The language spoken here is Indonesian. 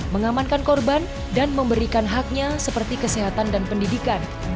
mengamankan korban dan memberikan haknya seperti kesehatan dan pendidikan